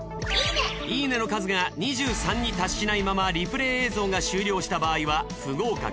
いいね！の数が２３に達しないままリプレイ映像が終了した場合は不合格。